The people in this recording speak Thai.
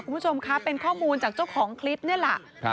คุณผู้ชมคะเป็นข้อมูลจากเจ้าของคลิปนี่แหละ